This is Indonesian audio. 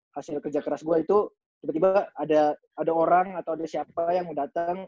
hasil kerja keras gue itu tiba tiba ada orang atau ada siapa yang mau datang